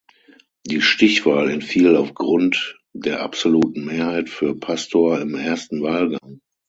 Die Stichwahl entfiel auf Grund der absoluten Mehrheit für Pastor im ersten Wahlgang.